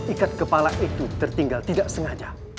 ikat kepala itu tertinggal tidak sengaja